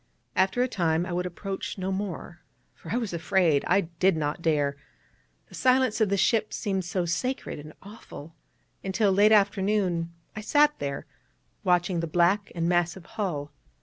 After a time I would approach no more, for I was afraid; I did not dare, the silence of the ship seemed so sacred and awful; and till late afternoon I sat there, watching the black and massive hull.